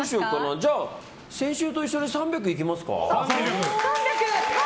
じゃあ、先週と一緒で３００いきますか。